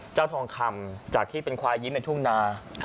ทองคำจากที่เป็นควายยิ้มในทุ่งนา